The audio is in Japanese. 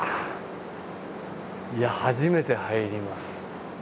いや初めて入ります。